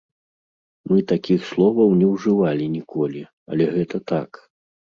Мы такіх словаў не ўжывалі ніколі, але гэта так.